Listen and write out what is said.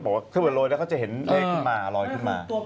เพื่อลอยเขาจะเห็นเลขนึงมาลอยขึ้นมา